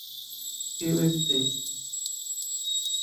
Eu hesitei